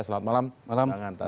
selamat malam pak hanta